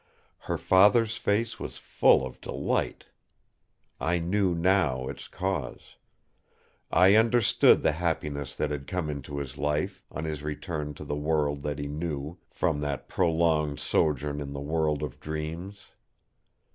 Her father's face was full of delight. I knew now its cause. I understood the happiness that had come into his life, on his return to the world that he knew, from that prolonged sojourn in the world of dreams.